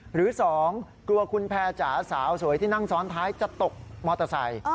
หรือ๒กลัวคุณแพร่จ๋าสาวสวยที่นั่งซ้อนท้ายจะตกมอเตอร์ไซค์